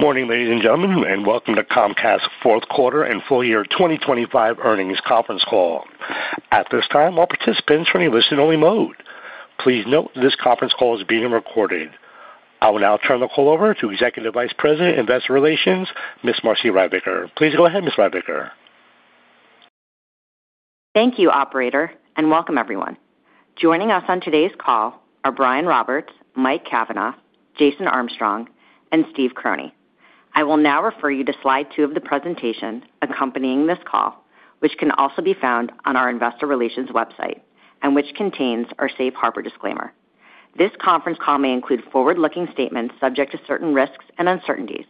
Good morning, ladies and gentlemen, and welcome to Comcast's fourth quarter and full year 2025 earnings conference call. At this time, all participants are in a listen-only mode. Please note this conference call is being recorded. I will now turn the call over to Executive Vice President, Investor Relations, Ms. Marci Ryvicker. Please go ahead, Ms. Ryvicker. Thank you, Operator, and welcome, everyone. Joining us on today's call are Brian Roberts, Mike Cavanagh, Jason Armstrong, and Steve Croney. I will now refer you to slide two of the presentation accompanying this call, which can also be found on our Investor Relations website and which contains our safe harbor disclaimer. This conference call may include forward-looking statements subject to certain risks and uncertainties.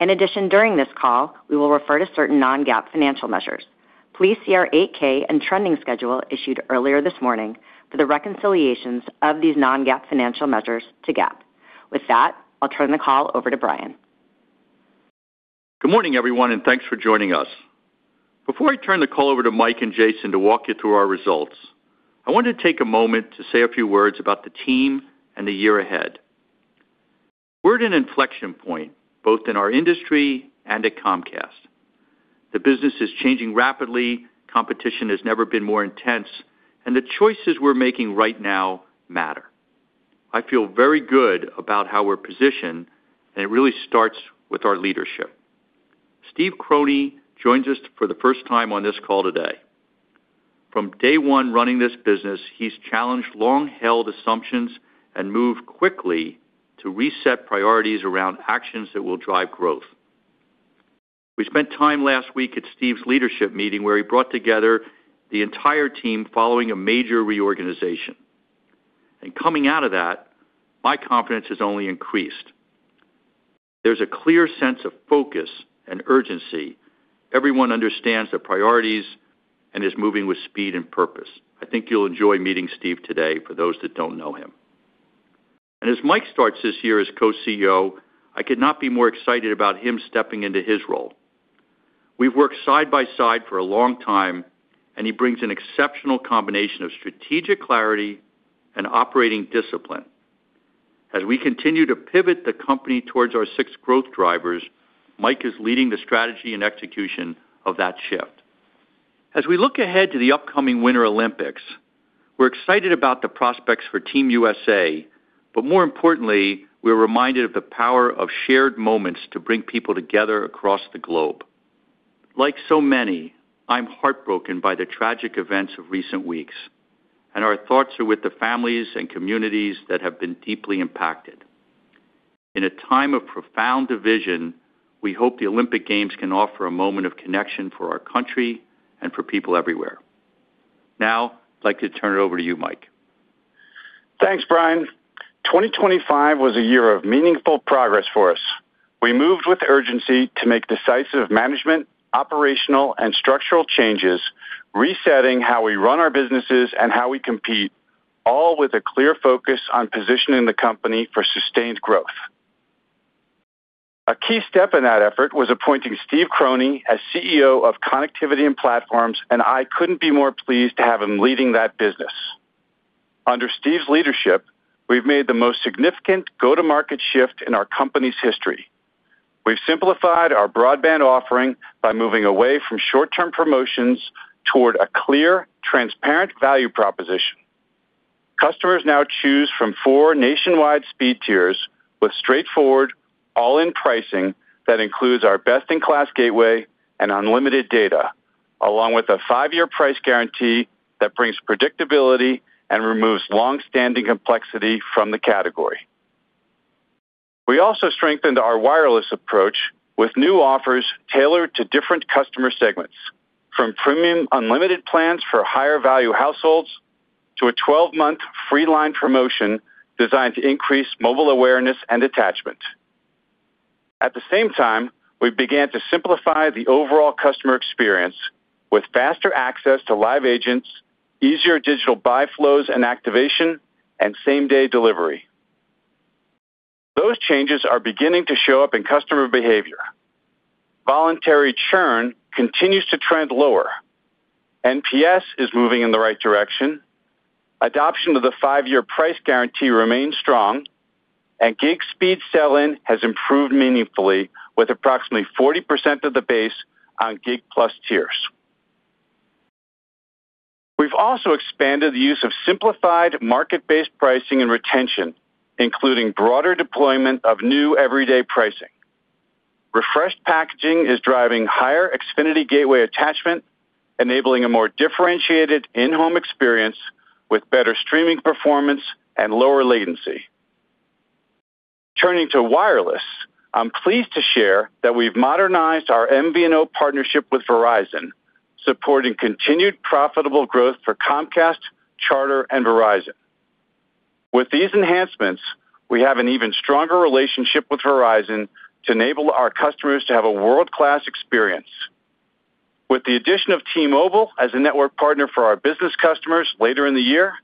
In addition, during this call, we will refer to certain non-GAAP financial measures. Please see our 8-K and trending schedule issued earlier this morning for the reconciliations of these non-GAAP financial measures to GAAP. With that, I'll turn the call over to Brian. Good morning, everyone, and thanks for joining us. Before I turn the call over to Mike and Jason to walk you through our results, I wanted to take a moment to say a few words about the team and the year ahead. We're at an inflection point, both in our industry and at Comcast. The business is changing rapidly, competition has never been more intense, and the choices we're making right now matter. I feel very good about how we're positioned, and it really starts with our leadership. Steve Croney joins us for the first time on this call today. From day one running this business, he's challenged long-held assumptions and moved quickly to reset priorities around actions that will drive growth. We spent time last week at Steve's leadership meeting where he brought together the entire team following a major reorganization. Coming out of that, my confidence has only increased. There's a clear sense of focus and urgency. Everyone understands the priorities and is moving with speed and purpose. I think you'll enjoy meeting Steve today for those that don't know him. As Mike starts this year as co-CEO, I could not be more excited about him stepping into his role. We've worked side by side for a long time, and he brings an exceptional combination of strategic clarity and operating discipline. As we continue to pivot the company towards our six growth drivers, Mike is leading the strategy and execution of that shift. As we look ahead to the upcoming Winter Olympics, we're excited about the prospects for Team USA, but more importantly, we're reminded of the power of shared moments to bring people together across the globe. Like so many, I'm heartbroken by the tragic events of recent weeks, and our thoughts are with the families and communities that have been deeply impacted. In a time of profound division, we hope the Olympic Games can offer a moment of connection for our country and for people everywhere. Now, I'd like to turn it over to you, Mike. Thanks, Brian. 2025 was a year of meaningful progress for us. We moved with urgency to make decisive management, operational, and structural changes, resetting how we run our businesses and how we compete, all with a clear focus on positioning the company for sustained growth. A key step in that effort was appointing Steve Croney as CEO of Connectivity and Platforms, and I couldn't be more pleased to have him leading that business. Under Steve's leadership, we've made the most significant go-to-market shift in our company's history. We've simplified our broadband offering by moving away from short-term promotions toward a clear, transparent value proposition. Customers now choose from four nationwide speed tiers with straightforward, all-in pricing that includes our best-in-class gateway and unlimited data, along with a five-year price guarantee that brings predictability and removes long-standing complexity from the category. We also strengthened our wireless approach with new offers tailored to different customer segments, from Premium Unlimited plans for higher-value households to a 12-month free line promotion designed to increase mobile awareness and attachment. At the same time, we began to simplify the overall customer experience with faster access to live agents, easier digital buy flows and activation, and same-day delivery. Those changes are beginning to show up in customer behavior. Voluntary churn continues to trend lower. NPS is moving in the right direction. Adoption of the 5-year price guarantee remains strong, and gig speed sell-in has improved meaningfully with approximately 40% of the base on Gig+ tiers. We've also expanded the use of simplified market-based pricing and retention, including broader deployment of new everyday pricing. Refreshed packaging is driving higher Xfinity Gateway attachment, enabling a more differentiated in-home experience with better streaming performance and lower latency. Turning to wireless, I'm pleased to share that we've modernized our MVNO partnership with Verizon, supporting continued profitable growth for Comcast, Charter, and Verizon. With these enhancements, we have an even stronger relationship with Verizon to enable our customers to have a world-class experience. With the addition of T-Mobile as a network partner for our business customers later in the year,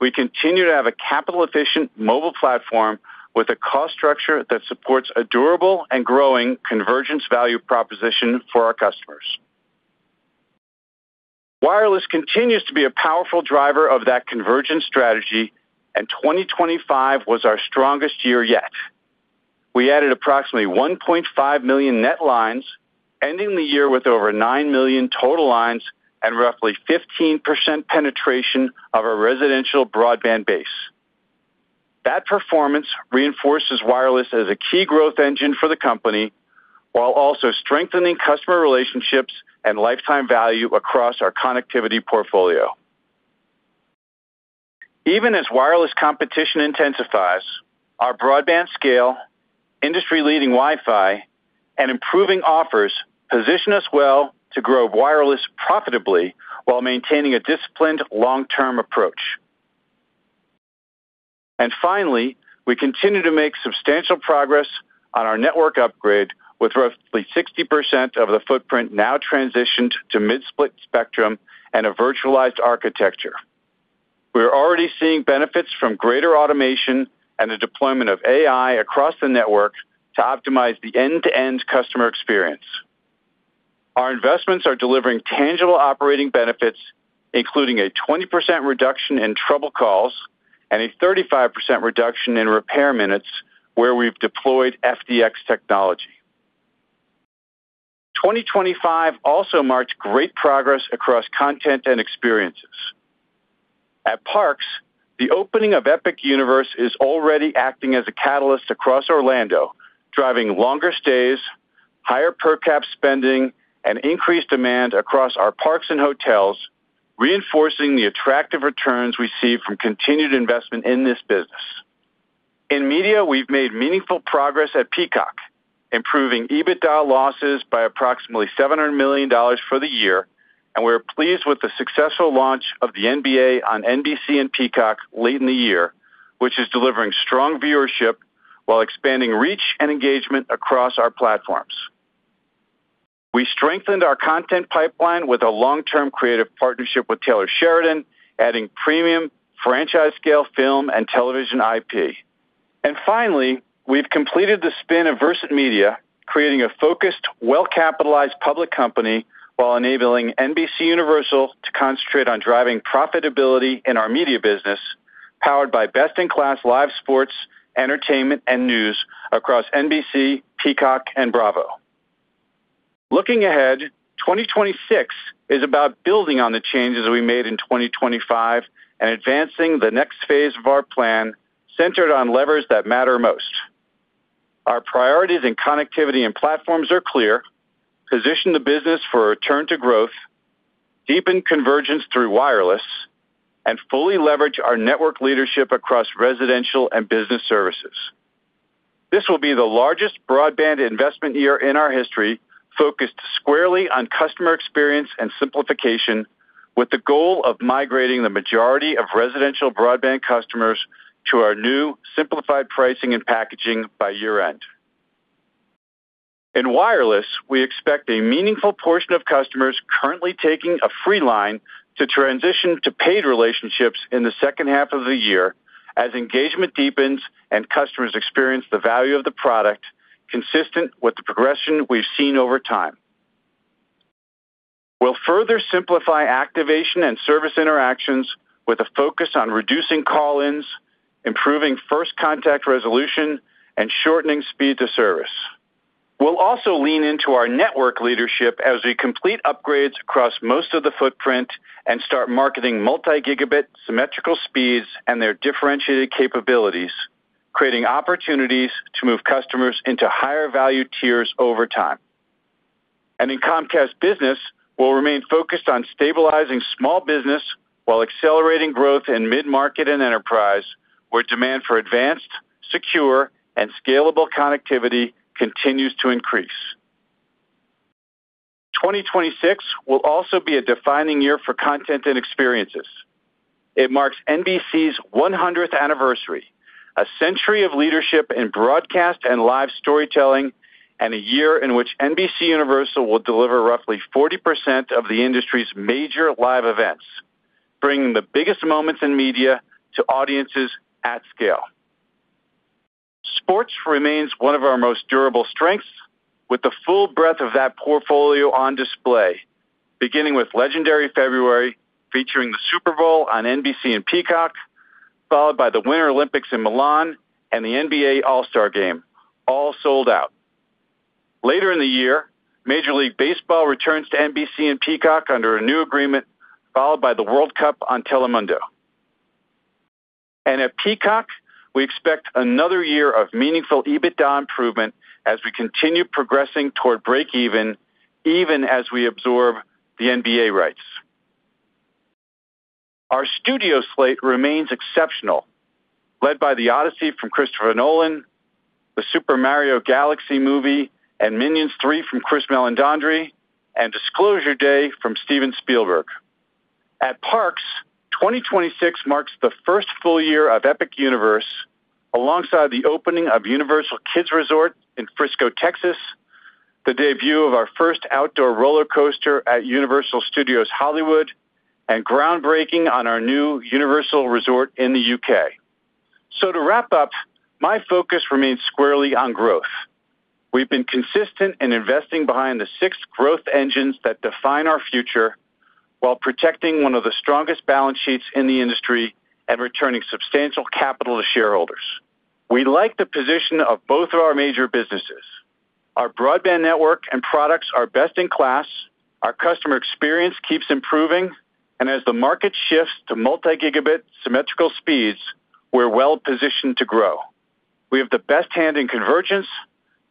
we continue to have a capital-efficient mobile platform with a cost structure that supports a durable and growing convergence value proposition for our customers. Wireless continues to be a powerful driver of that convergence strategy, and 2025 was our strongest year yet. We added approximately 1.5 million net lines, ending the year with over 9 million total lines and roughly 15% penetration of our residential broadband base. That performance reinforces wireless as a key growth engine for the company while also strengthening customer relationships and lifetime value across our connectivity portfolio. Even as wireless competition intensifies, our broadband scale, industry-leading Wi-Fi, and improving offers position us well to grow wireless profitably while maintaining a disciplined long-term approach. Finally, we continue to make substantial progress on our network upgrade with roughly 60% of the footprint now transitioned to mid-split spectrum and a virtualized architecture. We're already seeing benefits from greater automation and the deployment of AI across the network to optimize the end-to-end customer experience. Our investments are delivering tangible operating benefits, including a 20% reduction in trouble calls and a 35% reduction in repair minutes where we've deployed FDX technology. 2025 also marked great progress across content and experiences. At Parks, the opening of Epic Universe is already acting as a catalyst across Orlando, driving longer stays, higher per-cap spending, and increased demand across our parks and hotels, reinforcing the attractive returns we see from continued investment in this business. In media, we've made meaningful progress at Peacock, improving EBITDA losses by approximately $700 million for the year, and we're pleased with the successful launch of the NBA on NBC and Peacock late in the year, which is delivering strong viewership while expanding reach and engagement across our platforms. We strengthened our content pipeline with a long-term creative partnership with Taylor Sheridan, adding premium franchise-scale film and television IP. And finally, we've completed the spin of Versant Media, creating a focused, well-capitalized public company while enabling NBCUniversal to concentrate on driving profitability in our media business, powered by best-in-class live sports, entertainment, and news across NBC, Peacock, and Bravo. Looking ahead, 2026 is about building on the changes we made in 2025 and advancing the next phase of our plan centered on levers that matter most. Our priorities in connectivity and platforms are clear: position the business for a return to growth, deepen convergence through wireless, and fully leverage our network leadership across residential and business services. This will be the largest broadband investment year in our history, focused squarely on customer experience and simplification, with the goal of migrating the majority of residential broadband customers to our new simplified pricing and packaging by year-end. In wireless, we expect a meaningful portion of customers currently taking a free line to transition to paid relationships in the second half of the year as engagement deepens and customers experience the value of the product consistent with the progression we've seen over time. We'll further simplify activation and service interactions with a focus on reducing call-ins, improving first contact resolution, and shortening speed to service. We'll also lean into our network leadership as we complete upgrades across most of the footprint and start marketing multi-gigabit symmetrical speeds and their differentiated capabilities, creating opportunities to move customers into higher-value tiers over time. And in Comcast Business, we'll remain focused on stabilizing small business while accelerating growth in mid-market and enterprise, where demand for advanced, secure, and scalable connectivity continues to increase. 2026 will also be a defining year for content and experiences. It marks NBCUniversal's 100th anniversary, a century of leadership in broadcast and live storytelling, and a year in which NBCUniversal will deliver roughly 40% of the industry's major live events, bringing the biggest moments in media to audiences at scale. Sports remains one of our most durable strengths, with the full breadth of that portfolio on display, beginning with legendary February featuring the Super Bowl on NBC and Peacock, followed by the Winter Olympics in Milan and the NBA All-Star Game, all sold out. Later in the year, Major League Baseball returns to NBC and Peacock under a new agreement, followed by the World Cup on Telemundo. And at Peacock, we expect another year of meaningful EBITDA improvement as we continue progressing toward break-even, even as we absorb the NBA rights. Our studio slate remains exceptional, led by The Odyssey from Christopher Nolan, the Super Mario Galaxy movie and Minions 3 from Chris Meledandri, and Disclosure Day from Steven Spielberg. At Parks, 2026 marks the first full year of Epic Universe, alongside the opening of Universal Kids Resort in Frisco, Texas, the debut of our first outdoor roller coaster at Universal Studios Hollywood, and groundbreaking on our new Universal Resort in the U.K. So to wrap up, my focus remains squarely on growth. We've been consistent in investing behind the six growth engines that define our future while protecting one of the strongest balance sheets in the industry and returning substantial capital to shareholders. We like the position of both of our major businesses. Our broadband network and products are best in class, our customer experience keeps improving, and as the market shifts to multi-gigabit symmetrical speeds, we're well positioned to grow. We have the best hand in convergence,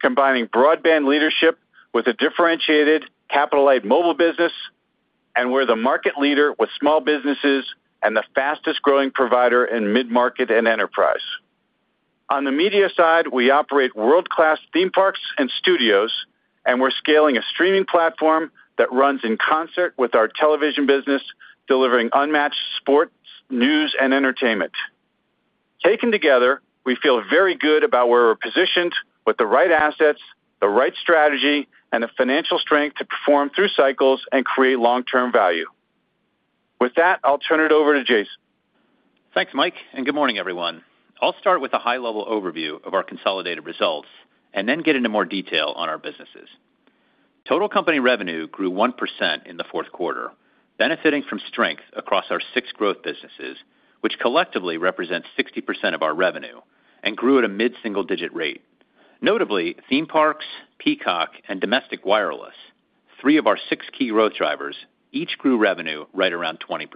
combining broadband leadership with a differentiated, capitalized mobile business, and we're the market leader with small businesses and the fastest-growing provider in mid-market and enterprise. On the media side, we operate world-class theme Parks and Studios, and we're scaling a streaming platform that runs in concert with our television business, delivering unmatched sports, news, and entertainment. Taken together, we feel very good about where we're positioned with the right assets, the right strategy, and the financial strength to perform through cycles and create long-term value. With that, I'll turn it over to Jason. Thanks, Mike, and good morning, everyone. I'll start with a high-level overview of our consolidated results and then get into more detail on our businesses. Total company revenue grew 1% in the fourth quarter, benefiting from strength across our six growth businesses, which collectively represents 60% of our revenue, and grew at a mid-single-digit rate. Notably, theme parks, Peacock, and domestic wireless, three of our six key growth drivers, each grew revenue right around 20%.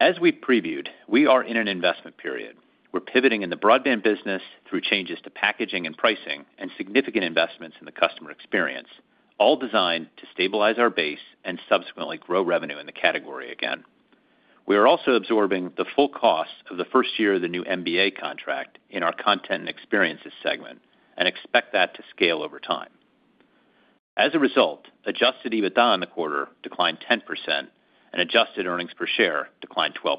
As we previewed, we are in an investment period. We're pivoting in the broadband business through changes to packaging and pricing and significant investments in the customer experience, all designed to stabilize our base and subsequently grow revenue in the category again. We are also absorbing the full cost of the first year of the new NBA contract in our content and experiences segment and expect that to scale over time. As a result, Adjusted EBITDA in the quarter declined 10%, and adjusted earnings per share declined 12%.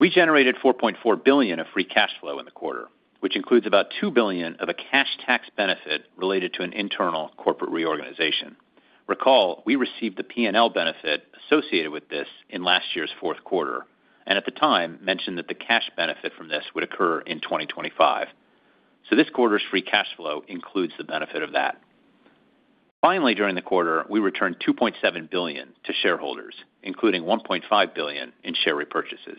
We generated $4.4 billion of free cash flow in the quarter, which includes about $2 billion of a cash tax benefit related to an internal corporate reorganization. Recall, we received the P&L benefit associated with this in last year's fourth quarter, and at the time mentioned that the cash benefit from this would occur in 2025. So this quarter's free cash flow includes the benefit of that. Finally, during the quarter, we returned $2.7 billion to shareholders, including $1.5 billion in share repurchases.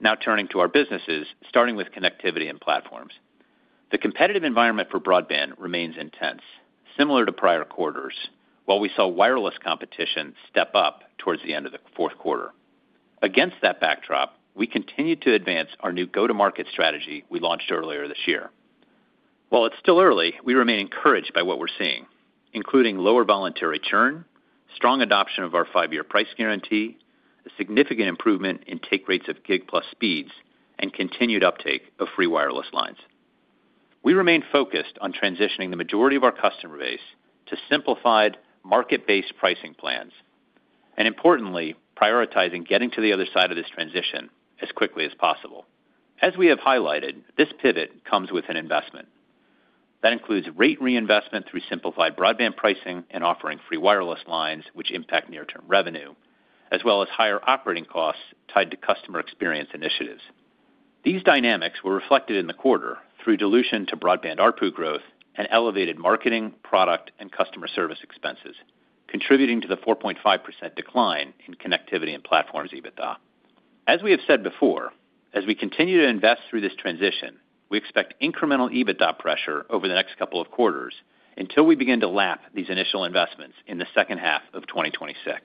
Now turning to our businesses, starting with connectivity and platforms. The competitive environment for broadband remains intense, similar to prior quarters, while we saw wireless competition step up towards the end of the fourth quarter. Against that backdrop, we continue to advance our new go-to-market strategy we launched earlier this year. While it's still early, we remain encouraged by what we're seeing, including lower voluntary churn, strong adoption of our five-year price guarantee, a significant improvement in take rates of Gig+ speeds, and continued uptake of free wireless lines. We remain focused on transitioning the majority of our customer base to simplified market-based pricing plans, and importantly, prioritizing getting to the other side of this transition as quickly as possible. As we have highlighted, this pivot comes with an investment. That includes rate reinvestment through simplified broadband pricing and offering free wireless lines, which impact near-term revenue, as well as higher operating costs tied to customer experience initiatives. These dynamics were reflected in the quarter through dilution to broadband ARPU growth and elevated marketing, product, and customer service expenses, contributing to the 4.5% decline in connectivity and platforms EBITDA. As we have said before, as we continue to invest through this transition, we expect incremental EBITDA pressure over the next couple of quarters until we begin to lap these initial investments in the second half of 2026.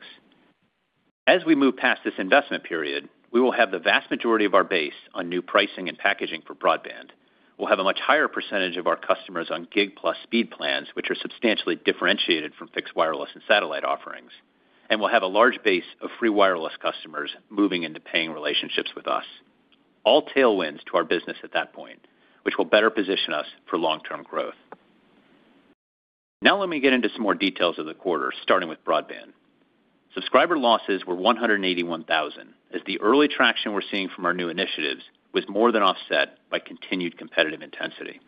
As we move past this investment period, we will have the vast majority of our base on new pricing and packaging for broadband. We'll have a much higher percentage of our customers on Gig+ speed plans, which are substantially differentiated from fixed wireless and satellite offerings, and we'll have a large base of free wireless customers moving into paying relationships with us. All tailwinds to our business at that point, which will better position us for long-term growth. Now let me get into some more details of the quarter, starting with broadband. Subscriber losses were 181,000, as the early traction we're seeing from our new initiatives was more than offset by continued competitive intensity.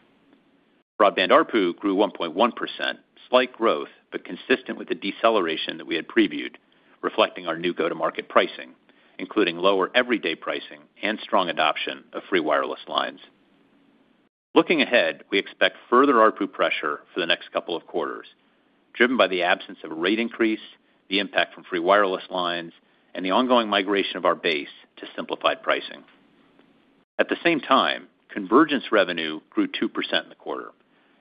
Broadband ARPU grew 1.1%, slight growth, but consistent with the deceleration that we had previewed, reflecting our new go-to-market pricing, including lower everyday pricing and strong adoption of free wireless lines. Looking ahead, we expect further ARPU pressure for the next couple of quarters, driven by the absence of rate increase, the impact from free wireless lines, and the ongoing migration of our base to simplified pricing. At the same time, convergence revenue grew 2% in the quarter,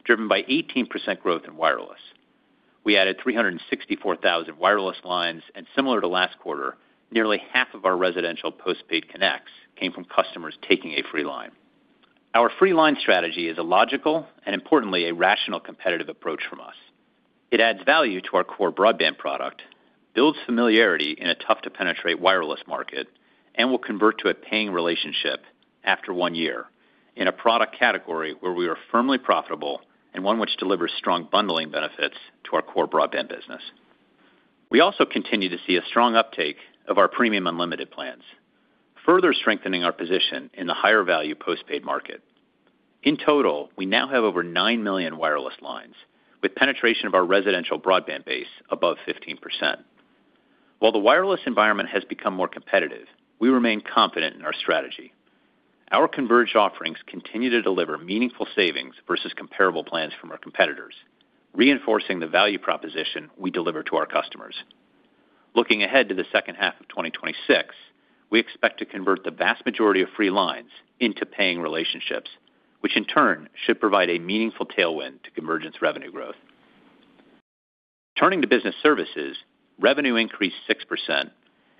driven by 18% growth in wireless. We added 364,000 wireless lines, and similar to last quarter, nearly half of our residential postpaid connects came from customers taking a free line. Our free line strategy is a logical and, importantly, a rational competitive approach from us. It adds value to our core broadband product, builds familiarity in a tough-to-penetrate wireless market, and will convert to a paying relationship after one year in a product category where we are firmly profitable and one which delivers strong bundling benefits to our core broadband business. We also continue to see a strong uptake of our Premium Unlimited plans, further strengthening our position in the higher-value postpaid market. In total, we now have over 9 million wireless lines, with penetration of our residential broadband base above 15%. While the wireless environment has become more competitive, we remain confident in our strategy. Our converged offerings continue to deliver meaningful savings versus comparable plans from our competitors, reinforcing the value proposition we deliver to our customers. Looking ahead to the second half of 2026, we expect to convert the vast majority of free lines into paying relationships, which in turn should provide a meaningful tailwind to convergence revenue growth. Turning to business services, revenue increased 6%,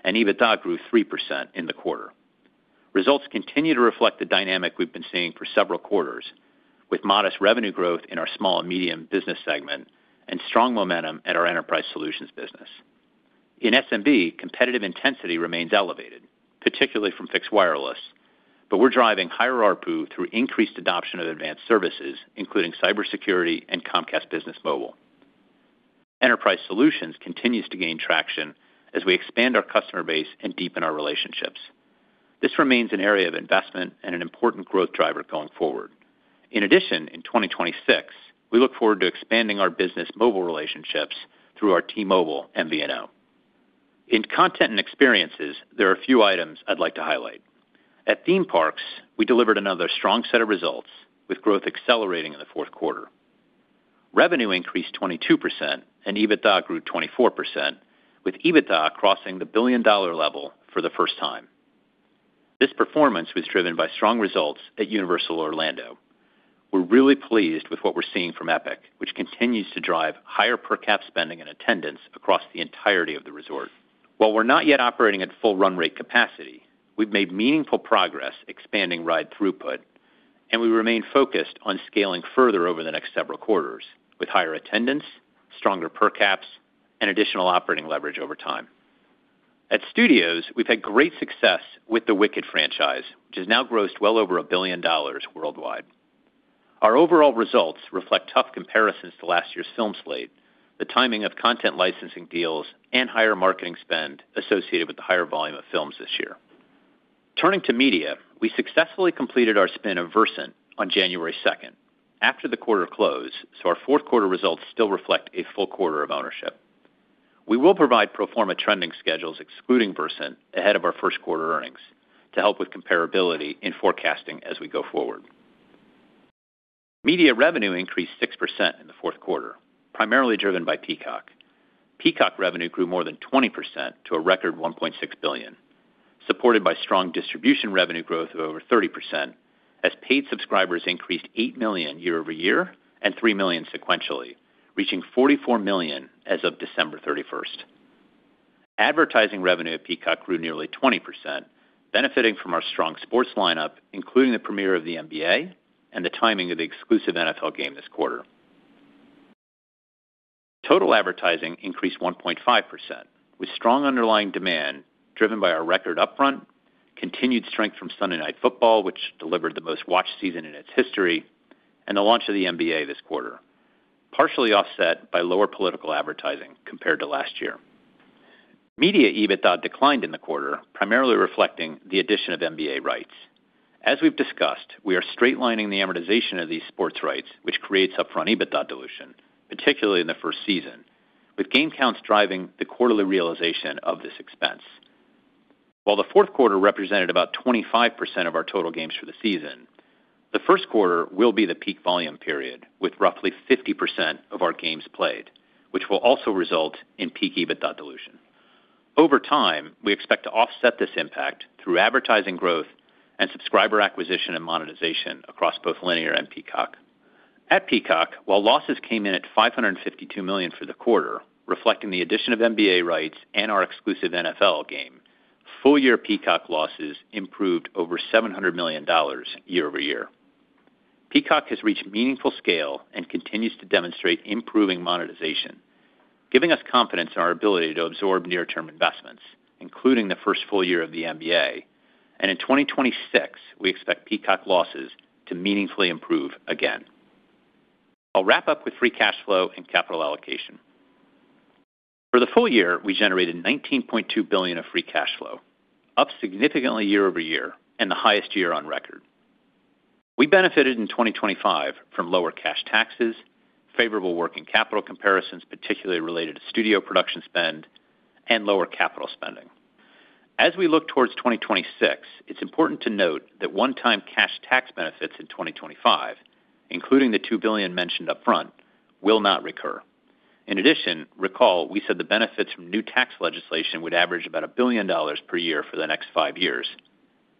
and EBITDA grew 3% in the quarter. Results continue to reflect the dynamic we've been seeing for several quarters, with modest revenue growth in our small and medium business segment and strong momentum at our enterprise solutions business. In SMB, competitive intensity remains elevated, particularly from fixed wireless, but we're driving higher ARPU through increased adoption of advanced services, including cybersecurity and Comcast Business Mobile. Enterprise solutions continue to gain traction as we expand our customer base and deepen our relationships. This remains an area of investment and an important growth driver going forward. In addition, in 2026, we look forward to expanding our business mobile relationships through our T-Mobile and Verizon. In content and experiences, there are a few items I'd like to highlight. At Theme Parks, we delivered another strong set of results, with growth accelerating in the fourth quarter. Revenue increased 22%, and EBITDA grew 24%, with EBITDA crossing the billion-dollar level for the first time. This performance was driven by strong results at Universal Orlando. We're really pleased with what we're seeing from Epic, which continues to drive higher per-cap spending and attendance across the entirety of the resort. While we're not yet operating at full run rate capacity, we've made meaningful progress expanding ride throughput, and we remain focused on scaling further over the next several quarters, with higher attendance, stronger per-caps, and additional operating leverage over time. At Studios, we've had great success with the Wicked franchise, which has now grossed well over $1 billion worldwide. Our overall results reflect tough comparisons to last year's film slate, the timing of content licensing deals, and higher marketing spend associated with the higher volume of films this year. Turning to media, we successfully completed our spin-off of Versant Media on January 2nd, after the quarter close, so our fourth quarter results still reflect a full quarter of ownership. We will provide pro forma trending schedules, excluding Versant Media, ahead of our first quarter earnings to help with comparability in forecasting as we go forward. Media revenue increased 6% in the fourth quarter, primarily driven by Peacock. Peacock revenue grew more than 20% to a record $1.6 billion, supported by strong distribution revenue growth of over 30%, as paid subscribers increased 8 million year-over-year and 3 million sequentially, reaching 44 million as of December 31st. Advertising revenue at Peacock grew nearly 20%, benefiting from our strong sports lineup, including the premiere of the NBA and the timing of the exclusive NFL game this quarter. Total advertising increased 1.5%, with strong underlying demand driven by our record upfront, continued strength from Sunday Night Football, which delivered the most watched season in its history, and the launch of the NBA this quarter, partially offset by lower political advertising compared to last year. Media EBITDA declined in the quarter, primarily reflecting the addition of NBA rights. As we've discussed, we are straightlining the amortization of these sports rights, which creates upfront EBITDA dilution, particularly in the first season, with game counts driving the quarterly realization of this expense. While the fourth quarter represented about 25% of our total games for the season, the first quarter will be the peak volume period, with roughly 50% of our games played, which will also result in peak EBITDA dilution. Over time, we expect to offset this impact through advertising growth and subscriber acquisition and monetization across both Linear and Peacock. At Peacock, while losses came in at $552 million for the quarter, reflecting the addition of NBA rights and our exclusive NFL game, full-year Peacock losses improved over $700 million year-over-year. Peacock has reached meaningful scale and continues to demonstrate improving monetization, giving us confidence in our ability to absorb near-term investments, including the first full year of the NBA, and in 2026, we expect Peacock losses to meaningfully improve again. I'll wrap up with free cash flow and capital allocation. For the full year, we generated $19.2 billion of free cash flow, up significantly year-over-year and the highest year on record. We benefited in 2025 from lower cash taxes, favorable working capital comparisons, particularly related to studio production spend, and lower capital spending. As we look towards 2026, it's important to note that one-time cash tax benefits in 2025, including the $2 billion mentioned upfront, will not recur. In addition, recall we said the benefits from new tax legislation would average about $1 billion per year for the next five years.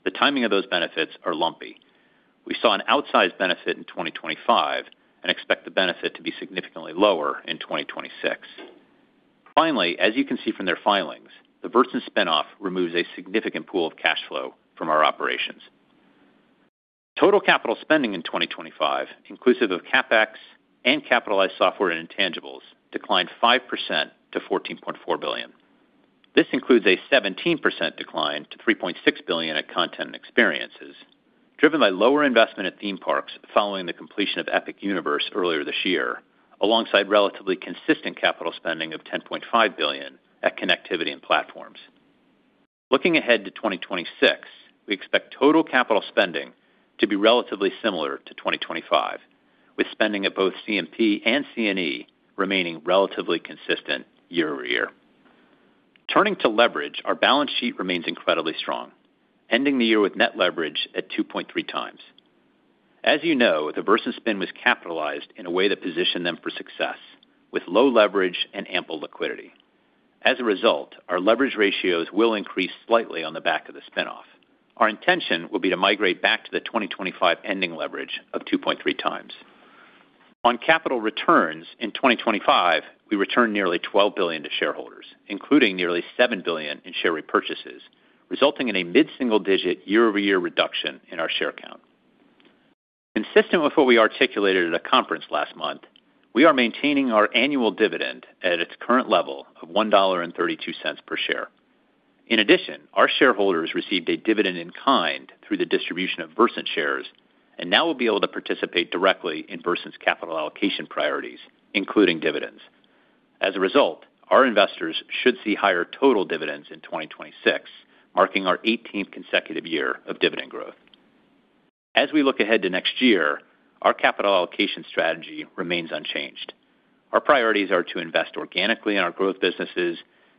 The timing of those benefits is lumpy. We saw an outsized benefit in 2025 and expect the benefit to be significantly lower in 2026. Finally, as you can see from their filings, the Versant spinoff removes a significant pool of cash flow from our operations. Total capital spending in 2025, inclusive of CapEx and capitalized software and intangibles, declined 5% to $14.4 billion. This includes a 17% decline to $3.6 billion at content and experiences, driven by lower investment at Theme Parks following the completion of Epic Universe earlier this year, alongside relatively consistent capital spending of $10.5 billion at connectivity and platforms. Looking ahead to 2026, we expect total capital spending to be relatively similar to 2025, with spending at both CMP and CNE remaining relatively consistent year-over- year. Turning to leverage, our balance sheet remains incredibly strong, ending the year with net leverage at 2.3x. As you know, the Versant spin was capitalized in a way that positioned them for success, with low leverage and ample liquidity. As a result, our leverage ratios will increase slightly on the back of the spinoff. Our intention will be to migrate back to the 2025 ending leverage of 2.3x. On capital returns, in 2025, we returned nearly $12 billion to shareholders, including nearly $7 billion in share repurchases, resulting in a mid-single-digit year-over-year reduction in our share count. Consistent with what we articulated at a conference last month, we are maintaining our annual dividend at its current level of $1.32 per share. In addition, our shareholders received a dividend in kind through the distribution of Versant shares and now will be able to participate directly in Versant's capital allocation priorities, including dividends. As a result, our investors should see higher total dividends in 2026, marking our 18th consecutive year of dividend growth. As we look ahead to next year, our capital allocation strategy remains unchanged. Our priorities are to invest organically in our growth businesses,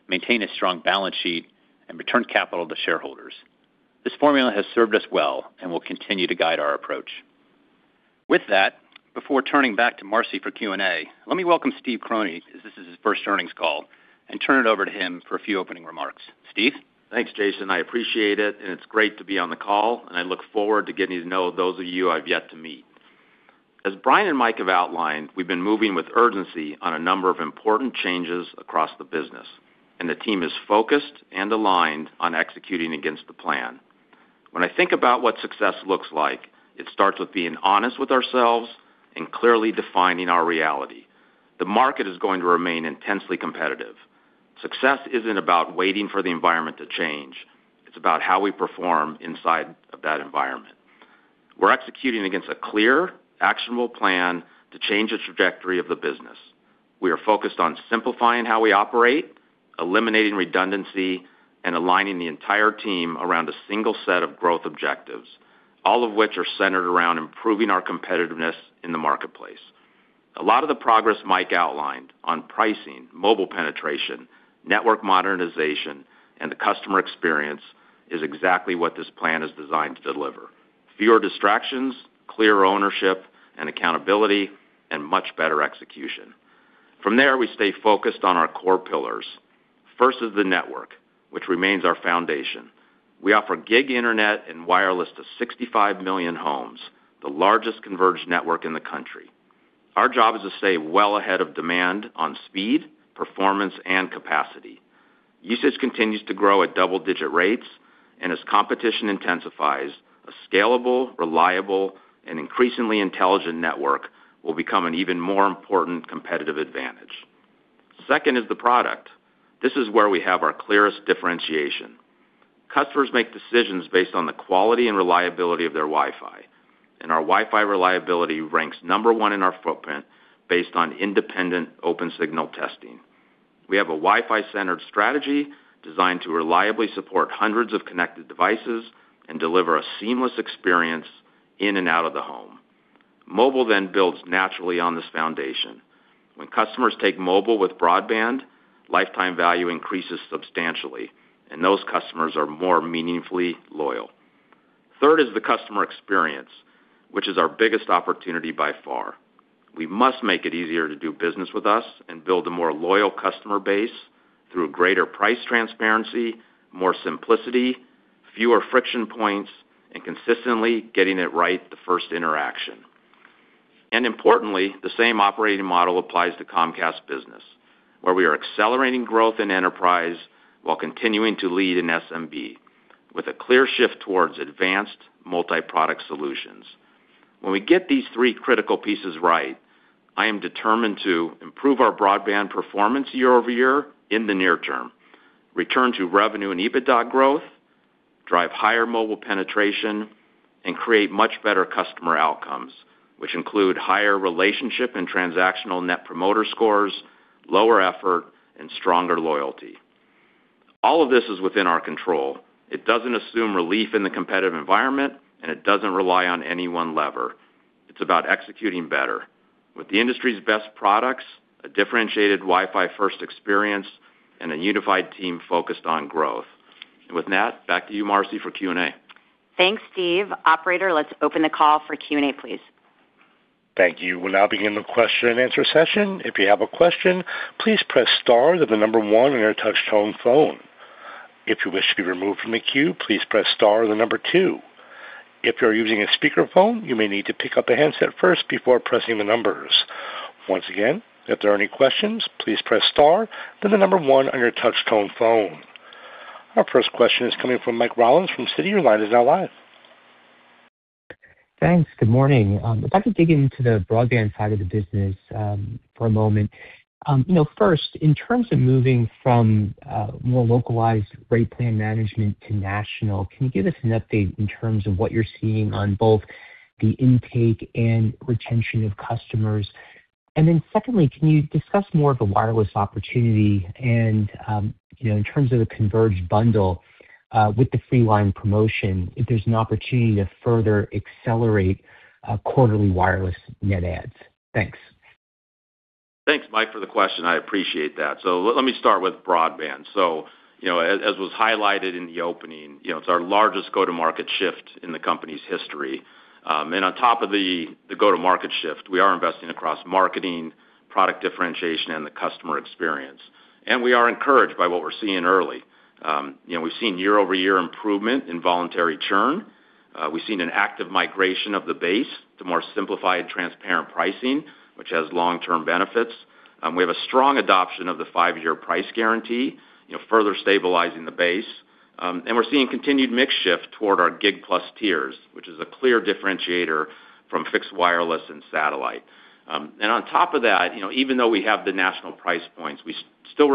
maintain a strong balance sheet, and return capital to shareholders. This formula has served us well and will continue to guide our approach. With that, before turning back to Marci for Q&A, let me welcome Steve Croney, as this is his first earnings call, and turn it over to him for a few opening remarks. Steve? Thanks, Jason. I appreciate it, and it's great to be on the call, and I look forward to getting to know those of you I've yet to meet. As Brian and Mike have outlined, we've been moving with urgency on a number of important changes across the business, and the team is focused and aligned on executing against the plan. When I think about what success looks like, it starts with being honest with ourselves and clearly defining our reality. The market is going to remain intensely competitive. Success isn't about waiting for the environment to change; it's about how we perform inside of that environment. We're executing against a clear, actionable plan to change the trajectory of the business. We are focused on simplifying how we operate, eliminating redundancy, and aligning the entire team around a single set of growth objectives, all of which are centered around improving our competitiveness in the marketplace. A lot of the progress Mike outlined on pricing, mobile penetration, network modernization, and the customer experience is exactly what this plan is designed to deliver: fewer distractions, clearer ownership and accountability, and much better execution. From there, we stay focused on our core pillars. First is the network, which remains our foundation. We offer gig internet and wireless to 65 million homes, the largest converged network in the country. Our job is to stay well ahead of demand on speed, performance, and capacity. Usage continues to grow at double-digit rates, and as competition intensifies, a scalable, reliable, and increasingly intelligent network will become an even more important competitive advantage. Second is the product. This is where we have our clearest differentiation. Customers make decisions based on the quality and reliability of their Wi-Fi, and our Wi-Fi reliability ranks number one in our footprint based on independent open-signal testing. We have a Wi-Fi-centered strategy designed to reliably support hundreds of connected devices and deliver a seamless experience in and out of the home. Mobile then builds naturally on this foundation. When customers take mobile with broadband, lifetime value increases substantially, and those customers are more meaningfully loyal. Third is the customer experience, which is our biggest opportunity by far. We must make it easier to do business with us and build a more loyal customer base through greater price transparency, more simplicity, fewer friction points, and consistently getting it right the first interaction. And importantly, the same operating model applies to Comcast Business, where we are accelerating growth in enterprise while continuing to lead in SMB, with a clear shift towards advanced multi-product solutions. When we get these three critical pieces right, I am determined to improve our broadband performance year-over-year in the near term, return to revenue and EBITDA growth, drive higher mobile penetration, and create much better customer outcomes, which include higher relationship and transactional net promoter scores, lower effort, and stronger loyalty. All of this is within our control. It doesn't assume relief in the competitive environment, and it doesn't rely on any one lever. It's about executing better, with the industry's best products, a differentiated Wi-Fi-first experience, and a unified team focused on growth. With that, back to you, Marci, for Q&A. Thanks, Steve. Operator, let's open the call for Q&A, please. Thank you. We'll now begin the question-and-answer session. If you have a question, please press Star and then the number one on your touch-tone phone. If you wish to be removed from the queue, please press Star and then number two. If you are using a speakerphone, you may need to pick up a handset first before pressing the numbers. Once again, if there are any questions, please press Star and then the number one on your touch-tone phone. Our first question is coming from Mike Rollins from Citi. Thanks. Good morning. I'd like to dig into the broadband side of the business for a moment. First, in terms of moving from more localized rate plan management to national, can you give us an update in terms of what you're seeing on both the intake and retention of customers? And then secondly, can you discuss more of a wireless opportunity? And in terms of the converged bundle with the freeline promotion, if there's an opportunity to further accelerate quarterly wireless net adds? Thanks. Thanks, Mike, for the question. I appreciate that. So let me start with broadband. So as was highlighted in the opening, it's our largest go-to-market shift in the company's history. And on top of the go-to-market shift, we are investing across marketing, product differentiation, and the customer experience. And we are encouraged by what we're seeing early. We've seen year-over-year improvement in voluntary churn. We've seen an active migration of the base to more simplified, transparent pricing, which has long-term benefits. We have a strong adoption of the five-year price guarantee, further stabilizing the base. And we're seeing continued mix shift toward our Gig+ tiers, which is a clear differentiator from fixed wireless and satellite. And on top of that, even though we have the national price points, we still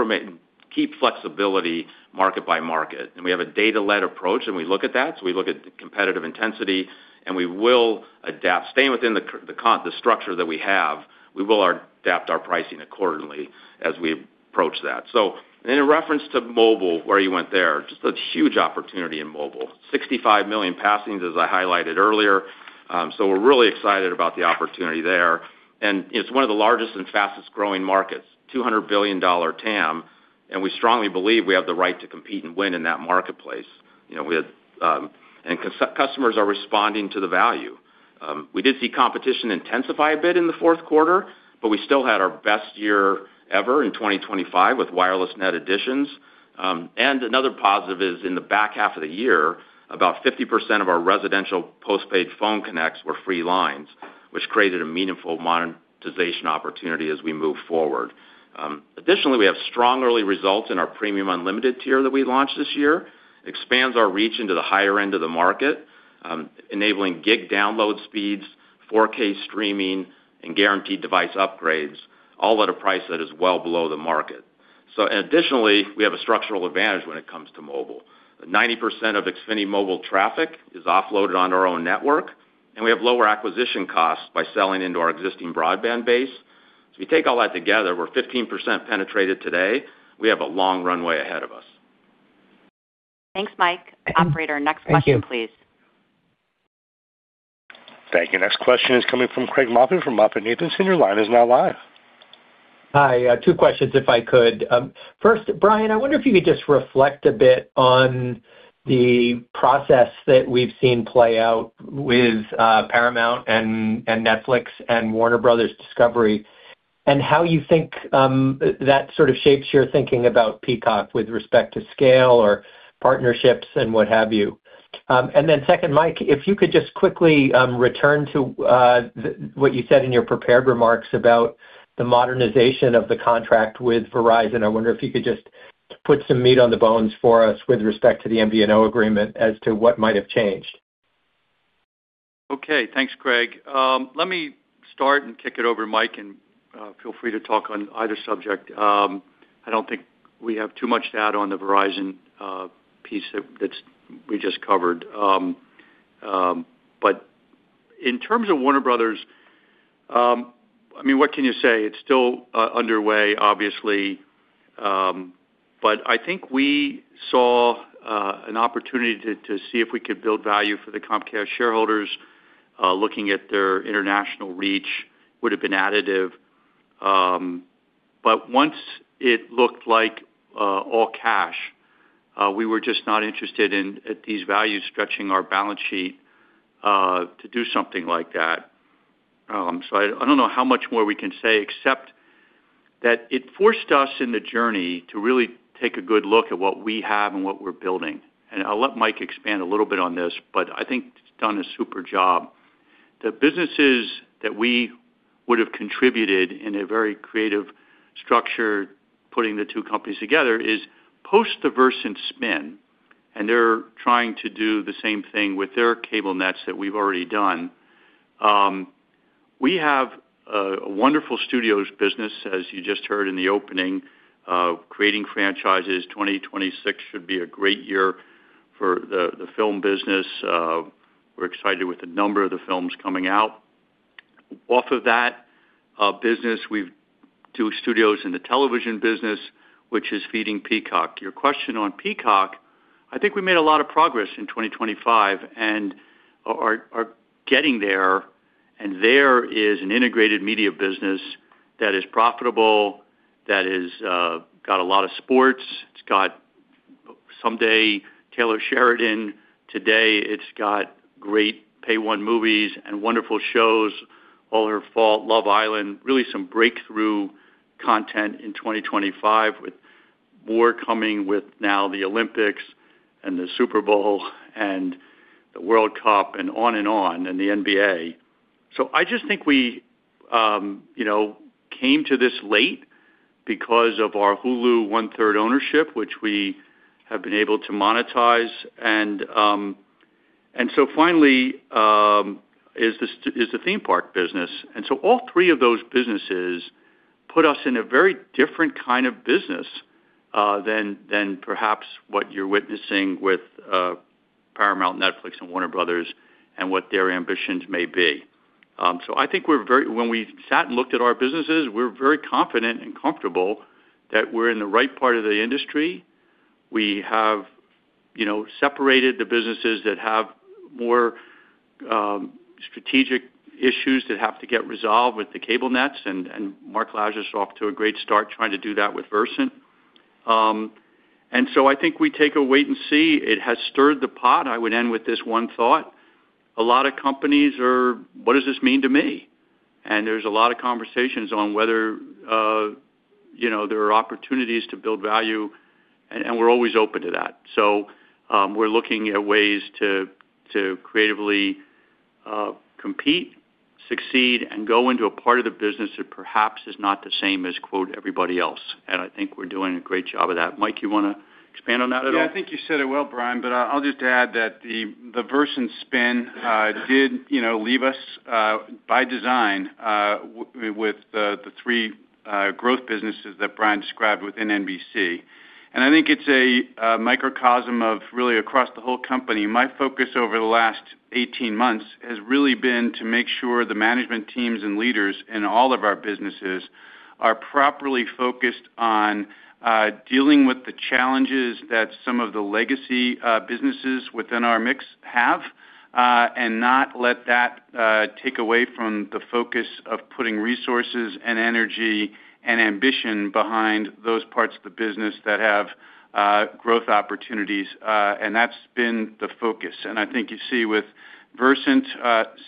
keep flexibility market by market. And we have a data-led approach, and we look at that. So we look at competitive intensity, and we will adapt, staying within the structure that we have, we will adapt our pricing accordingly as we approach that. So in reference to mobile, where you went there, just a huge opportunity in mobile, 65 million passings, as I highlighted earlier. So we're really excited about the opportunity there. And it's one of the largest and fastest-growing markets, $200 billion TAM. And we strongly believe we have the right to compete and win in that marketplace. And customers are responding to the value. We did see competition intensify a bit in the fourth quarter, but we still had our best year ever in 2025 with wireless net additions. And another positive is in the back half of the year, about 50% of our residential postpaid phone connects were free lines, which created a meaningful monetization opportunity as we move forward. Additionally, we have strong early results in our Premium Unlimited tier that we launched this year. It expands our reach into the higher end of the market, enabling gig download speeds, 4K streaming, and guaranteed device upgrades, all at a price that is well below the market. So additionally, we have a structural advantage when it comes to mobile. 90% of Xfinity Mobile traffic is offloaded on our own network, and we have lower acquisition costs by selling into our existing broadband base. So if you take all that together, we're 15% penetrated today. We have a long runway ahead of us. Thanks, Mike. Operator, next question, please. Thank you. Next question is coming from Craig Moffett from MoffettNathanson. Your line is now live. Hi. Two questions, if I could. First, Brian, I wonder if you could just reflect a bit on the process that we've seen play out with Paramount and Netflix and Warner Bros. Discovery and how you think that sort of shapes your thinking about Peacock with respect to scale or partnerships and what have you. And then second, Mike, if you could just quickly return to what you said in your prepared remarks about the modernization of the contract with Verizon. I wonder if you could just put some meat on the bones for us with respect to the MVNO agreement as to what might have changed. Okay. Thanks, Craig. Let me start and kick it over to Mike, and feel free to talk on either subject. I don't think we have too much data on the Verizon piece that we just covered. But in terms of Warner Bros., I mean, what can you say? It's still underway, obviously. But I think we saw an opportunity to see if we could build value for the Comcast shareholders, looking at their international reach, would have been additive. But once it looked like all cash, we were just not interested in, at these values, stretching our balance sheet to do something like that. So I don't know how much more we can say, except that it forced us in the journey to really take a good look at what we have and what we're building. And I'll let Mike expand a little bit on this, but I think it's done a super job. The businesses that we would have contributed in a very creative structure, putting the two companies together, is post-reversion spin, and they're trying to do the same thing with their cable nets that we've already done. We have a wonderful studios business, as you just heard in the opening, creating franchises. 2026 should be a great year for the film business. We're excited with a number of the films coming out. Off of that business, we do studios in the television business, which is feeding Peacock. Your question on Peacock, I think we made a lot of progress in 2025 and are getting there. There is an integrated media business that is profitable, that has got a lot of sports. It's got someday Taylor Sheridan. Today, it's got great Pay-One movies and wonderful shows, All Her Fault, Love Island, really some breakthrough content in 2025, with more coming with now the Olympics and the Super Bowl and the World Cup and on and on and the NBA. So I just think we came to this late because of our Hulu one-third ownership, which we have been able to monetize. And so finally is the theme park business. And so all three of those businesses put us in a very different kind of business than perhaps what you're witnessing with Paramount, Netflix, and Warner Brothers and what their ambitions may be. So I think when we sat and looked at our businesses, we're very confident and comfortable that we're in the right part of the industry. We have separated the businesses that have more strategic issues that have to get resolved with the cable nets, and Mark Lazarus is off to a great start trying to do that with Versant. And so I think we take a wait and see. It has stirred the pot. I would end with this one thought. A lot of companies are, "What does this mean to me?" And there's a lot of conversations on whether there are opportunities to build value, and we're always open to that. So we're looking at ways to creatively compete, succeed, and go into a part of the business that perhaps is not the same as, "Everybody else." And I think we're doing a great job of that. Mike, you want to expand on that at all? Yeah. I think you said it well, Brian, but I'll just add that the Versant spin-off did leave us by design with the three growth businesses that Brian described within NBC. And I think it's a microcosm of really across the whole company. My focus over the last 18 months has really been to make sure the management teams and leaders in all of our businesses are properly focused on dealing with the challenges that some of the legacy businesses within our mix have and not let that take away from the focus of putting resources and energy and ambition behind those parts of the business that have growth opportunities. That's been the focus. I think you see with Versant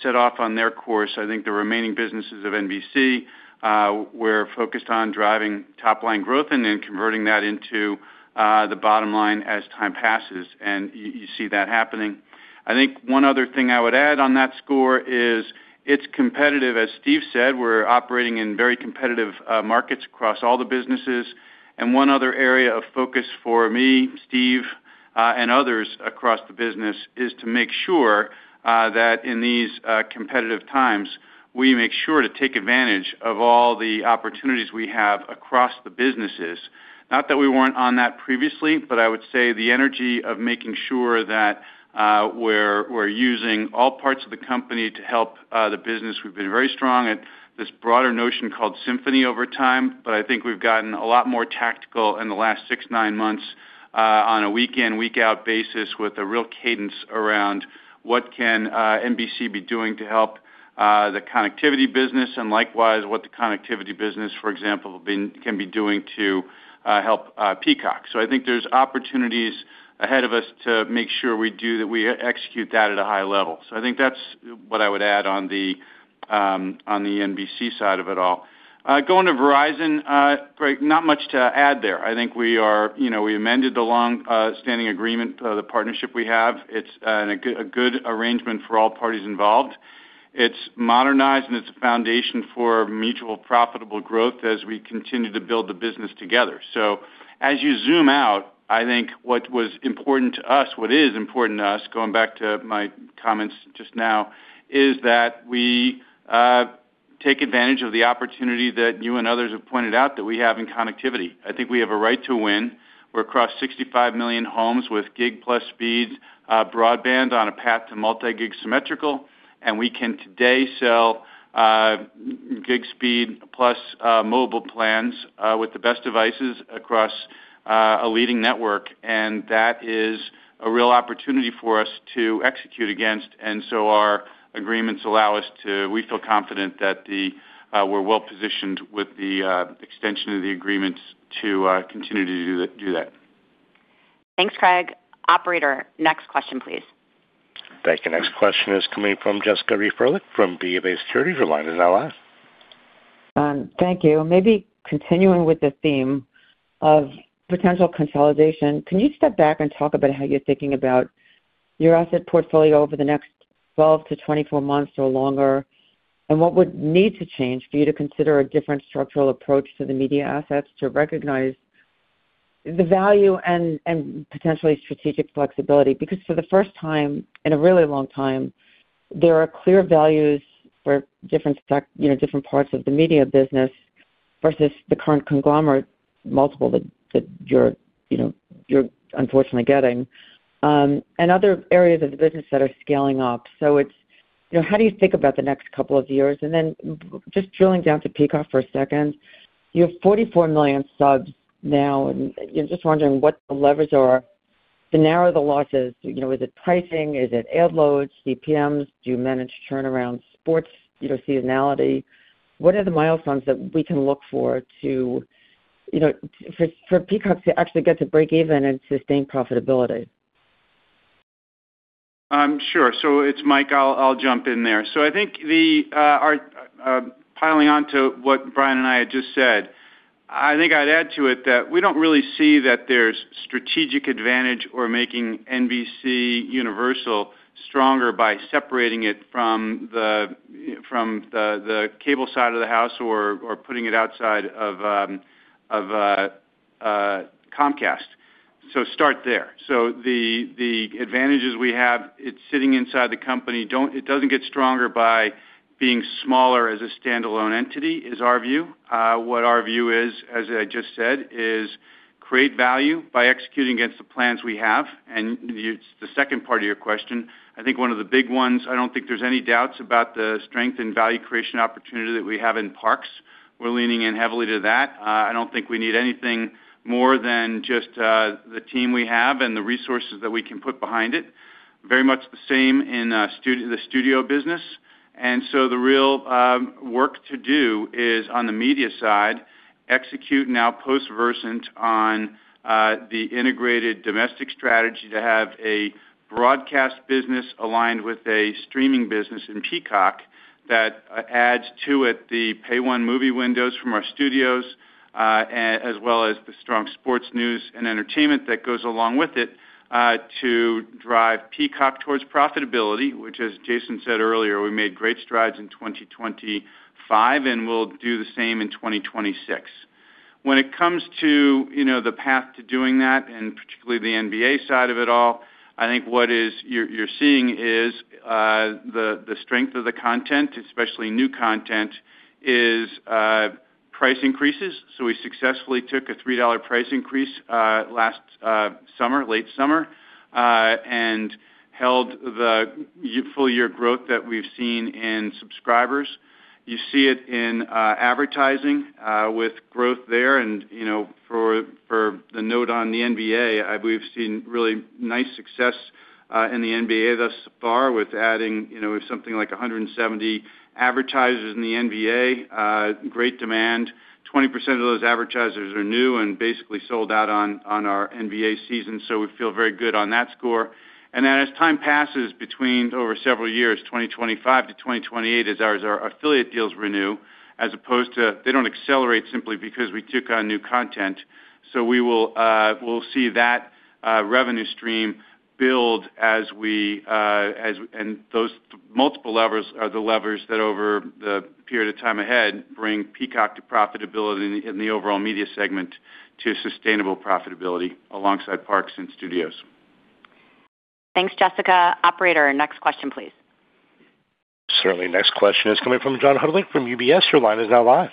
set off on their course, I think the remaining businesses of NBC were focused on driving top-line growth and then converting that into the bottom line as time passes. You see that happening. I think one other thing I would add on that score is it's competitive, as Steve said. We're operating in very competitive markets across all the businesses. One other area of focus for me, Steve, and others across the business is to make sure that in these competitive times, we make sure to take advantage of all the opportunities we have across the businesses. Not that we weren't on that previously, but I would say the energy of making sure that we're using all parts of the company to help the business. We've been very strong at this broader notion called symphony over time, but I think we've gotten a lot more tactical in the last 6-9 months on a week-in, week-out basis with a real cadence around what can NBC be doing to help the connectivity business and likewise what the connectivity business, for example, can be doing to help Peacock. So I think there's opportunities ahead of us to make sure we execute that at a high level. So I think that's what I would add on the NBC side of it all. Going to Verizon, Craig, not much to add there. I think we amended the long-standing agreement, the partnership we have. It's a good arrangement for all parties involved. It's modernized, and it's a foundation for mutual profitable growth as we continue to build the business together. So as you zoom out, I think what was important to us, what is important to us, going back to my comments just now, is that we take advantage of the opportunity that you and others have pointed out that we have in connectivity. I think we have a right to win. We're across 65 million homes with gig+ speeds, broadband on a path to multi-gig symmetrical, and we can today sell gig-speed plus mobile plans with the best devices across a leading network. That is a real opportunity for us to execute against. So our agreements allow us to, we feel confident that we're well positioned with the extension of the agreements to continue to do that. Thanks, Craig. Operator, next question, please. Thank you. Next question is coming from Jessica Reif Ehrlich from BofA Securities. Your line is now live. Thank you. Maybe continuing with the theme of potential consolidation, can you step back and talk about how you're thinking about your asset portfolio over the next 12-24 months or longer, and what would need to change for you to consider a different structural approach to the media assets to recognize the value and potentially strategic flexibility? Because for the first time in a really long time, there are clear values for different parts of the media business versus the current conglomerate multiple that you're unfortunately getting and other areas of the business that are scaling up. So how do you think about the next couple of years? And then just drilling down to Peacock for a second, you have 44 million subs now, and just wondering what the levers are to narrow the losses. Is it pricing? Is it ad loads, CPMs? Do you manage turnaround, sports, seasonality? What are the milestones that we can look for for Peacock to actually get to break even and sustain profitability? Sure. So it's Mike. I'll jump in there. So I think piling on to what Brian and I had just said, I think I'd add to it that we don't really see that there's strategic advantage or making NBCUniversal stronger by separating it from the cable side of the house or putting it outside of Comcast. So start there. So the advantages we have, it's sitting inside the company. It doesn't get stronger by being smaller as a standalone entity is our view. What our view is, as I just said, is create value by executing against the plans we have. And it's the second part of your question. I think one of the big ones, I don't think there's any doubts about the strength and value creation opportunity that we have in parks. We're leaning in heavily to that. I don't think we need anything more than just the team we have and the resources that we can put behind it. Very much the same in the studio business. So the real work to do is on the media side, execute now post-Versant on the integrated domestic strategy to have a broadcast business aligned with a streaming business in Peacock that adds to it the Pay-One movie windows from our studios, as well as the strong sports news and entertainment that goes along with it to drive Peacock towards profitability, which, as Jason said earlier, we made great strides in 2025, and we'll do the same in 2026. When it comes to the path to doing that, and particularly the NBA side of it all, I think what you're seeing is the strength of the content, especially new content, is price increases. So we successfully took a $3 price increase last summer, late summer, and held the full year growth that we've seen in subscribers. You see it in advertising with growth there. And for the note on the NBA, we've seen really nice success in the NBA thus far with adding something like 170 advertisers in the NBA. Great demand. 20% of those advertisers are new and basically sold out on our NBA season. So we feel very good on that score. And then as time passes between over several years, 2025 to 2028, as our affiliate deals renew, as opposed to they don't accelerate simply because we took on new content. So we will see that revenue stream build as we and those multiple levers are the levers that over the period of time ahead bring Peacock to profitability in the overall media segment to sustainable profitability alongside parks and studios. Thanks, Jessica. Operator, next question, please. Certainly. Next question is coming from John Hodulik from UBS. Your line is now live.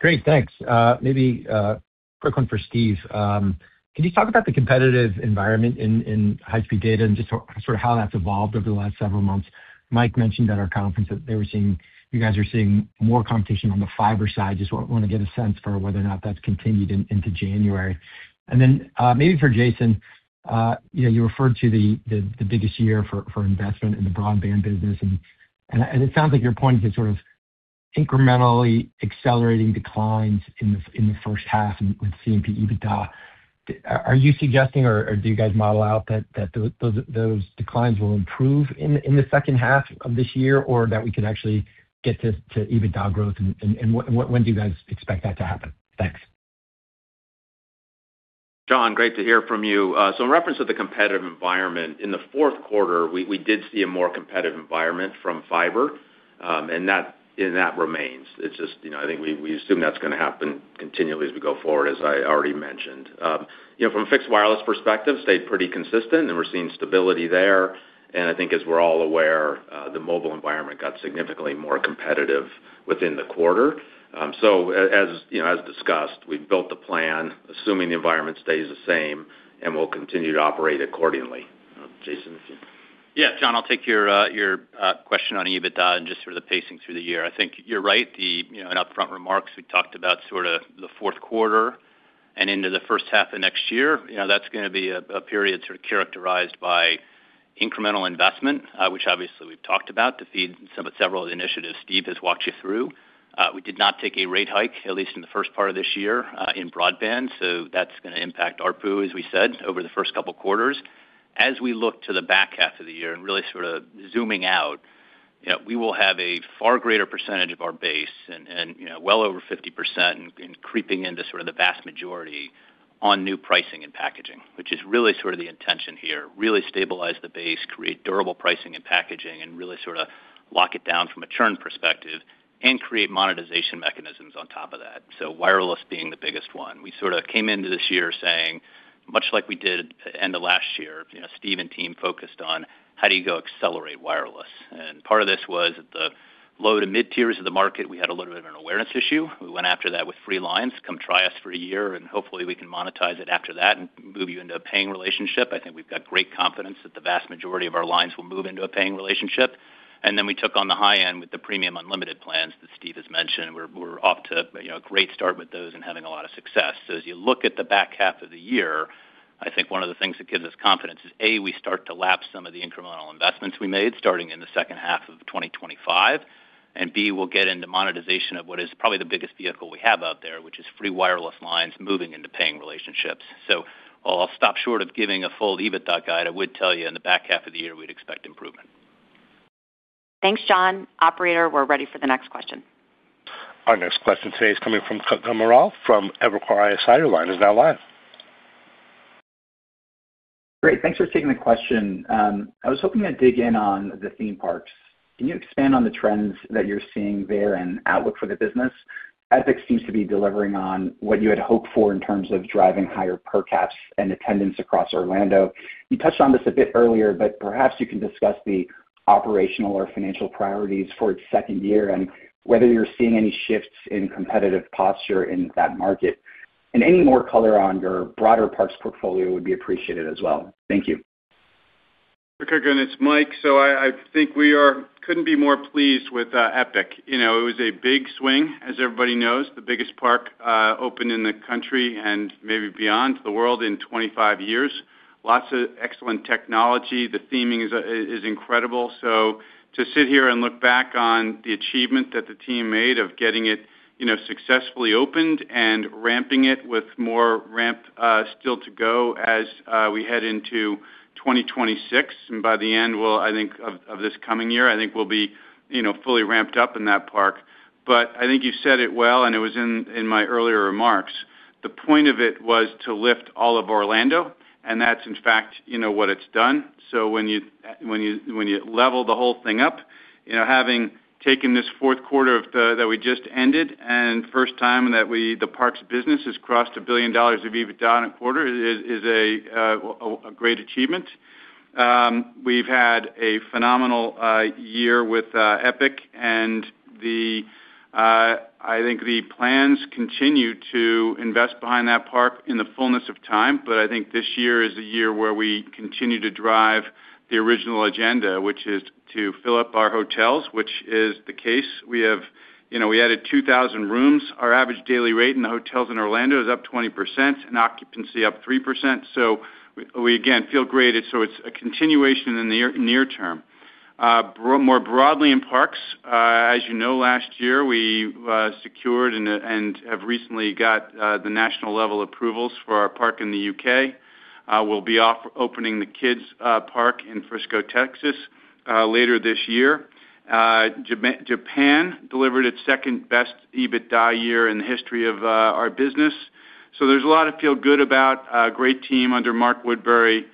Great. Thanks. Maybe a quick one for Steve. Can you talk about the competitive environment in high-speed data and just sort of how that's evolved over the last several months? Mike mentioned at our conference that you guys are seeing more competition on the fiber side. Just want to get a sense for whether or not that's continued into January. And then maybe for Jason, you referred to the biggest year for investment in the broadband business. And it sounds like your point is sort of incrementally accelerating declines in the first half with C&P EBITDA. Are you suggesting, or do you guys model out that those declines will improve in the second half of this year or that we could actually get to EBITDA growth? And when do you guys expect that to happen? Thanks. John, great to hear from you. So in reference to the competitive environment, in the fourth quarter, we did see a more competitive environment from fiber, and that remains. It's just I think we assume that's going to happen continually as we go forward, as I already mentioned. From a fixed wireless perspective, stayed pretty consistent, and we're seeing stability there. And I think, as we're all aware, the mobile environment got significantly more competitive within the quarter. So as discussed, we've built the plan, assuming the environment stays the same, and we'll continue to operate accordingly. Jason, if you- Yeah, John, I'll take your question on EBITDA and just sort of the pacing through the year. I think you're right. In upfront remarks, we talked about sort of the fourth quarter and into the first half of next year. That's going to be a period sort of characterized by incremental investment, which obviously we've talked about to feed several initiatives Steve has walked you through. We did not take a rate hike, at least in the first part of this year, in broadband. So that's going to impact our P&L, as we said, over the first couple of quarters. As we look to the back half of the year and really sort of zooming out, we will have a far greater percentage of our base and well over 50% and creeping into sort of the vast majority on new pricing and packaging, which is really sort of the intention here. Really stabilize the base, create durable pricing and packaging, and really sort of lock it down from a churn perspective and create monetization mechanisms on top of that. So wireless being the biggest one. We sort of came into this year saying, much like we did at the end of last year, Steve and team focused on how do you go accelerate wireless. And part of this was at the low to mid-tiers of the market, we had a little bit of an awareness issue. We went after that with free lines. Come try us for a year, and hopefully we can monetize it after that and move you into a paying relationship. I think we've got great confidence that the vast majority of our lines will move into a paying relationship. And then we took on the high end with the Premium Unlimited plans that Steve has mentioned. We're off to a great start with those and having a lot of success. So as you look at the back half of the year, I think one of the things that gives us confidence is, A, we start to lapse some of the incremental investments we made starting in the second half of 2025, and B, we'll get into monetization of what is probably the biggest vehicle we have out there, which is free wireless lines moving into paying relationships. So I'll stop short of giving a full EBITDA guide. I would tell you in the back half of the year, we'd expect improvement. Thanks, John. Operator, we're ready for the next question. Our next question today is coming from Kutgun Maral from Evercore ISI, your line is now live. Great. Thanks for taking the question. I was hoping to dig in on the theme parks. Can you expand on the trends that you're seeing there and outlook for the business? Epic seems to be delivering on what you had hoped for in terms of driving higher per-cap and attendance across Orlando. You touched on this a bit earlier, but perhaps you can discuss the operational or financial priorities for its second year and whether you're seeing any shifts in competitive posture in that market. And any more color on your broader parks portfolio would be appreciated as well. Thank you. Okay. And it's Mike. So I think we couldn't be more pleased with Epic. It was a big swing, as everybody knows, the biggest park opened in the country and maybe beyond the world in 25 years. Lots of excellent technology. The theming is incredible. So to sit here and look back on the achievement that the team made of getting it successfully opened and ramping it with more ramp still to go as we head into 2026. By the end, I think of this coming year, I think we'll be fully ramped up in that park. But I think you said it well, and it was in my earlier remarks. The point of it was to lift all of Orlando, and that's in fact what it's done. So when you level the whole thing up, having taken this fourth quarter that we just ended and first time that the park's business has crossed $1 billion of EBITDA in a quarter is a great achievement. We've had a phenomenal year with Epic, and I think the plans continue to invest behind that park in the fullness of time. But I think this year is a year where we continue to drive the original agenda, which is to fill up our hotels, which is the case. We added 2,000 rooms. Our average daily rate in the hotels in Orlando is up 20% and occupancy up 3%. So we, again, feel great. So it's a continuation in the near term. More broadly in parks, as you know, last year we secured and have recently got the national level approvals for our park in the U.K. We'll be opening the Kids Park in Frisco, Texas, later this year. Japan delivered its second best EBITDA year in the history of our business. So there's a lot of feel good about a great team under Mark Woodbury,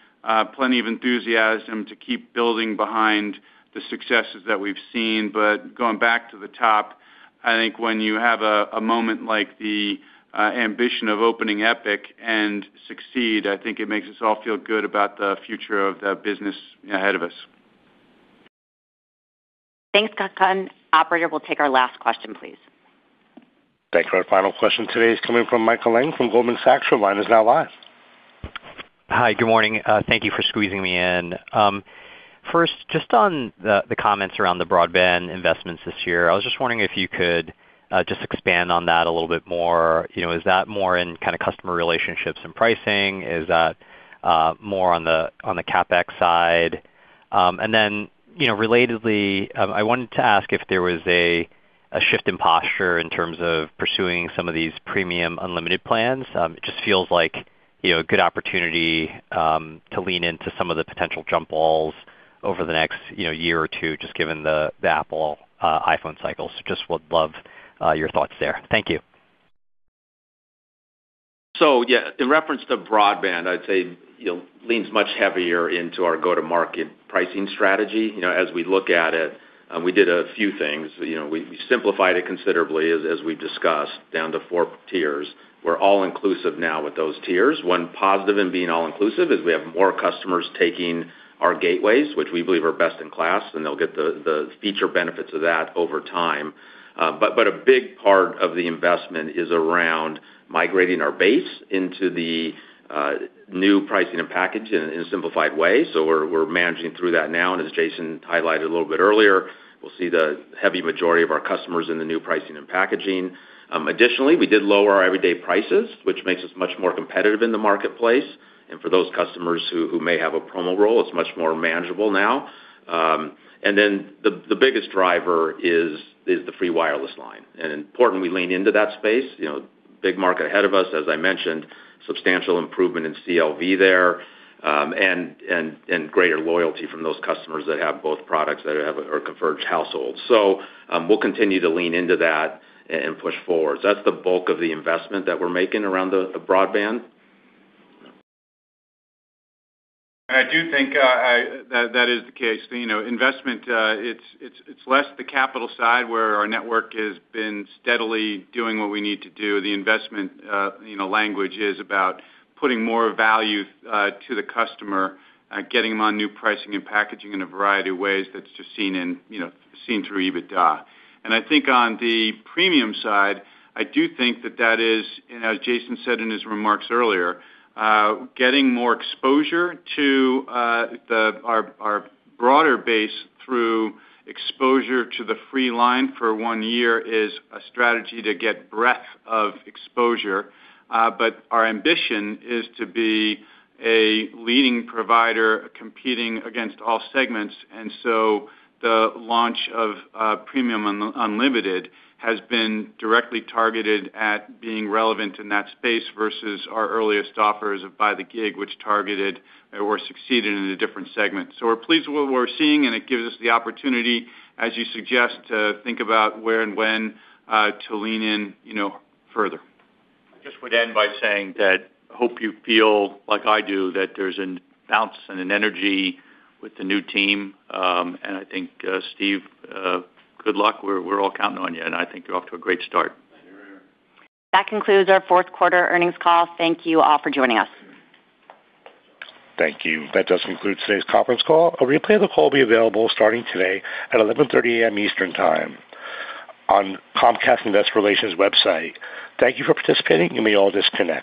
plenty of enthusiasm to keep building behind the successes that we've seen. But going back to the top, I think when you have a moment like the ambition of opening Epic and succeed, I think it makes us all feel good about the future of the business ahead of us. Thanks, Kutgun. Operator, we'll take our last question, please. Thanks for our final question. Today is coming from Michael Ng from Goldman Sachs. Your line is now live. Hi, good morning. Thank you for squeezing me in. First, just on the comments around the broadband investments this year, I was just wondering if you could just expand on that a little bit more. Is that more in kind of customer relationships and pricing? Is that more on the CapEx side? And then relatedly, I wanted to ask if there was a shift in posture in terms of pursuing some of these Premium Unlimited plans. It just feels like a good opportunity to lean into some of the potential jump balls over the next year or two, just given the Apple iPhone cycle. So just would love your thoughts there. Thank you. So yeah, in reference to broadband, I'd say leans much heavier into our go-to-market pricing strategy. As we look at it, we did a few things. We simplified it considerably, as we've discussed, down to four tiers. We're all-inclusive now with those tiers. One positive in being all-inclusive is we have more customers taking our gateways, which we believe are best in class, and they'll get the feature benefits of that over time. But a big part of the investment is around migrating our base into the new pricing and package in a simplified way. So we're managing through that now. And as Jason highlighted a little bit earlier, we'll see the heavy majority of our customers in the new pricing and packaging. Additionally, we did lower our everyday prices, which makes us much more competitive in the marketplace. For those customers who may have a promo rate, it's much more manageable now. Then the biggest driver is the free wireless line. Importantly, we lean into that space. Big market ahead of us, as I mentioned, substantial improvement in CLV there and greater loyalty from those customers that have both products that are converged households. So we'll continue to lean into that and push forward. So that's the bulk of the investment that we're making around the broadband. I do think that is the case. The investment, it's less the capital side where our network has been steadily doing what we need to do. The investment language is about putting more value to the customer, getting them on new pricing and packaging in a variety of ways that's just seen through EBITDA. I think on the premium side, I do think that that is, as Jason said in his remarks earlier, getting more exposure to our broader base through exposure to the free line for one year is a strategy to get breadth of exposure. But our ambition is to be a leading provider competing against all segments. And so the launch of Premium Unlimited has been directly targeted at being relevant in that space versus our earliest offers of By the Gig, which targeted or succeeded in a different segment. So we're pleased with what we're seeing, and it gives us the opportunity, as you suggest, to think about where and when to lean in further. I just would end by saying that I hope you feel like I do that there's a bounce and an energy with the new team. I think, Steve, good luck. We're all counting on you, and I think you're off to a great start. That concludes our fourth quarter earnings call. Thank you all for joining us. Thank you. That does conclude today's conference call. A replay of the call will be available starting today at 11:30 A.M. Eastern Time on Comcast Investor Relations website. Thank you for participating. You may all disconnect.